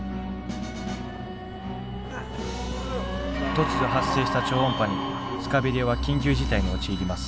突如発生した「超音波」にスカベリアは緊急事態に陥ります。